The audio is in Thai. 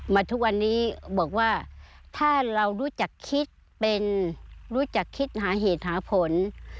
มาทุกวันนี้บอกว่าถ้าเรารู้จักคิดเป็นรู้จักคิดหาเหตุหาผล